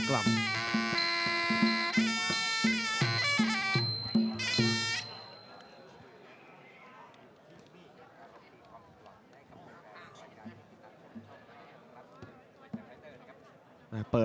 และแพ้๒๐ไฟ